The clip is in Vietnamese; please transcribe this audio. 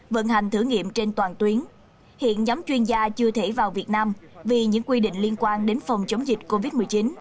vận hành thử nghiệm trên toàn tuyến hiện nhóm chuyên gia chưa thể vào việt nam vì những quy định liên quan đến phòng chống dịch covid một mươi chín